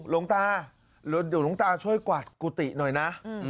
หลวงตาเดี๋ยวหลวงตาช่วยกวาดกุฏิหน่อยนะ